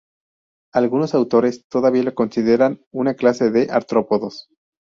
Algunos autores todavía los consideran una clase de artrópodos.